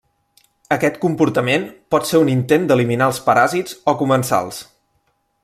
Aquest comportament pot ser un intent d'eliminar els paràsits o comensals.